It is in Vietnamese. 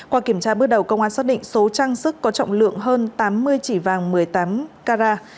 qua kiểm tra bước đầu công an xác định số trang sức có trọng lượng hơn tám mươi chỉ vàng một mươi tám carat